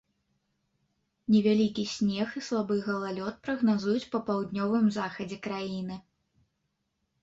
Невялікі снег і слабы галалёд прагназуюць па паўднёвым захадзе краіны.